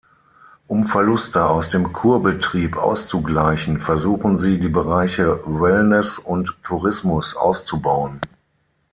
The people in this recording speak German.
Um Verluste aus dem Kurbetrieb auszugleichen, versuchen sie, die Bereiche Wellness und Tourismus auszubauen.